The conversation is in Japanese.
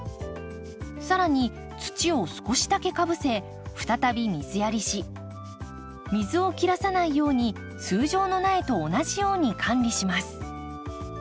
更に土を少しだけかぶせ再び水やりし水を切らさないように通常の苗と同じように管理します。